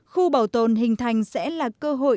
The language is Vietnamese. khu bảo tồn hình thành sẽ là cơ hội